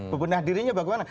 bebenah dirinya bagaimana